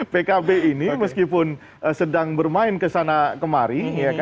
pkb ini meskipun sedang bermain kesana kemari